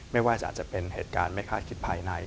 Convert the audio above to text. ไม่ว่าจะเป็นเหตุการณ์ไม่คาดคิดภายใน